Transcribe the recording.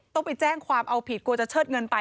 ต้องไปแจ้งความเอาผิดกลัวจะเชิดเงินไป